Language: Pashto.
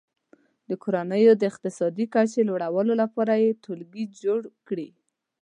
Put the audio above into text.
د کورنیو د اقتصادي کچې لوړولو لپاره یې ټولګي جوړ کړي.